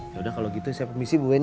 yaudah kalo gitu saya permisi bu benny